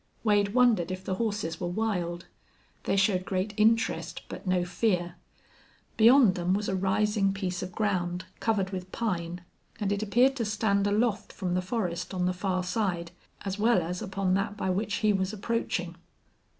Wade wondered if the horses were wild. They showed great interest, but no fear. Beyond them was a rising piece of ground, covered with pine, and it appeared to stand aloft from the forest on the far side as well as upon that by which he was approaching.